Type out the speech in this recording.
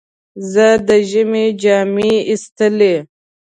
زه د ژمي جامې ایستلې.